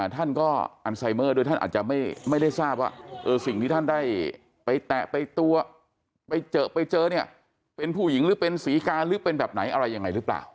ท่านก็อันไซเมอร์ด้วยท่านอาจจะไม่ได้ทราบว่าสิ่งที่ท่านได้ไปแตะไปตัวไปเจอไปเจอเนี่ยเป็นผู้หญิงหรือเป็นศรีกาหรือเป็นแบบไหนอะไรยังไงหรือเปล่า